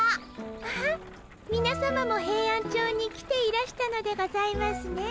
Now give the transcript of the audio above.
あっみなさまもヘイアンチョウに来ていらしたのでございますね。